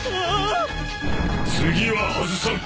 次は外さん。